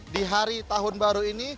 di hari tahun baru ini